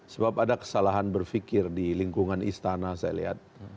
sebab ada kesalahan berpikir di lingkungan istana saya lihat